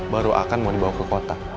baru akan mau dibawa ke tempat lainnya